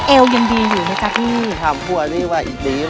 เอลยังดีอยู่ในกะทิถามพวกอันนี้ว่าอีกดีมาก